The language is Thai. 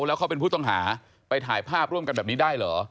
แล้วเขาเป็นผู้ต้องหาไปถ่ายภาพร่วมกันแบบนี้ได้เหรอ